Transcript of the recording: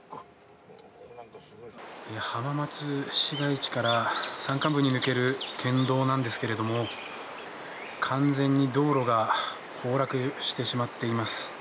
浜松市街地から山間部に抜ける県道なんですが完全に道路が崩落してしまっています。